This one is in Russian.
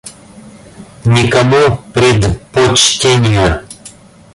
Никому предпочтения.